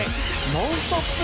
ノンストップ！